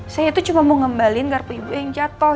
saya itu cuma mau ngembalin kartu ibu yang jatuh